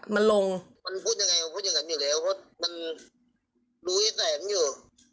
มันลงมันพูดยังไงมันพูดอย่างนั้นอยู่แล้วเพราะมันรู้อีแสงอยู่